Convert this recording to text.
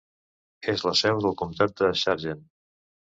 És la seu del comtat de Sargent.